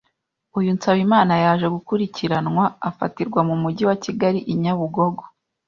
Uyu Nsabimana yaje gukurikiranwa afatirwa mu Mujyi wa Kigali i Nyabugogo.